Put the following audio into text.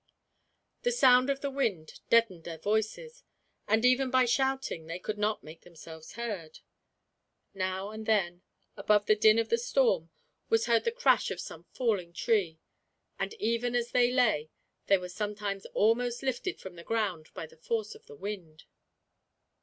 The sound of the wind deadened their voices, and even by shouting they could not make themselves heard. Now and then, above the din of the storm, was heard the crash of some falling tree; and even as they lay, they were sometimes almost lifted from the ground by the force of the wind.